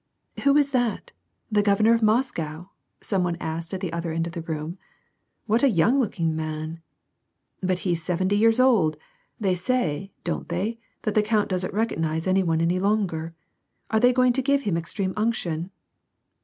Who was that ? The Governor of Moscow ?" some one asked at the other end of the room. " What a young looking man !"" But he's seventy years old ! They say, don't they, that the count doesn't recognize any one any longer ? Are they going to give him extreme unction